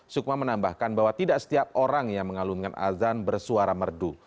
sukma menambahkan bahwa tidak setiap orang yang mengalunkan azan bersuara merdu